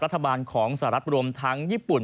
รัฐบาลของสหรัฐรวมทั้งญี่ปุ่น